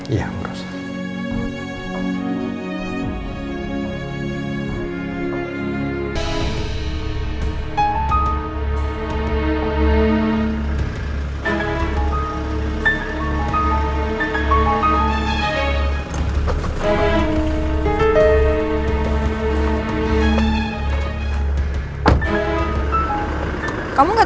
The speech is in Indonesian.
iya bu rosa